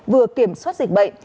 vừa kiểm soát dịch bệnh